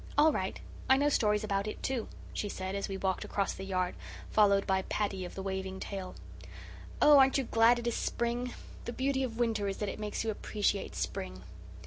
"All right. I know stories about it, too," she said, as we walked across the yard, followed by Paddy of the waving tail. "Oh, aren't you glad it is spring? The beauty of winter is that it makes you appreciate spring."